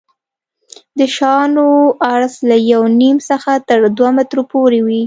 د شانو عرض له یو نیم څخه تر دوه مترو پورې وي